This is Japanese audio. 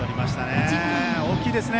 大きいですね。